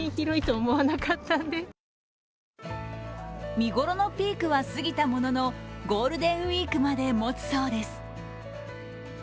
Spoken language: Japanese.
見頃のピークは過ぎたもののゴールデンウイークまで持つそうです。